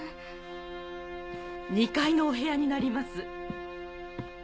２階のお部屋になります。